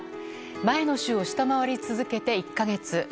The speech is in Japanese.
前の週を下回り続けて１か月。